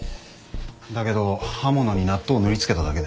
だけど刃物に納豆を塗りつけただけで？